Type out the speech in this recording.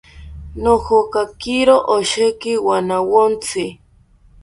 Nojokakiro osheki wanawontzi